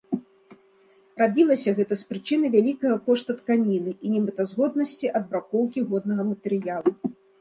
Рабілася гэта з прычыны вялікага кошту тканіны і немэтазгоднасці адбракоўкі годнага матэрыялу.